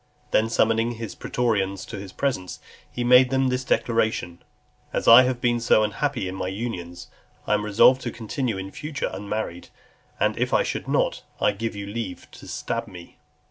When summoning his pretorians to his presence, he made to them this declaration: "As I have been so unhappy in my unions, I am resolved to continue in future unmarried; and if I should not, I give you leave to stab me."